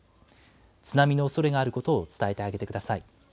津波のおそれがあることを伝えてあげてください。